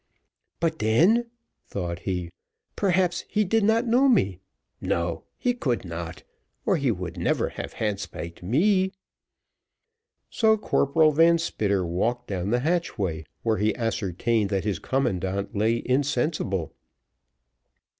"But then," thought he, "perhaps he did not know me no, he could not, or he never would have handspiked me." So Corporal Van Spitter walked down the hatchway, where he ascertained that his commandant lay insensible.